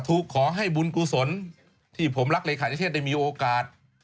ทุกขอให้บุญกุฏษลที่ผมรักเลยขาดเช็ดได้มีโอกาส